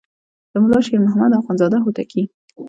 د ملا شیر محمد اخوندزاده هوتکی.